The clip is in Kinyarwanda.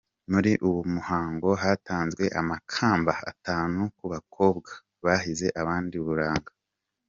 Muri uwo muhango hatanzwe amakamba atanu ku bakobwa bahize abandi uburanga.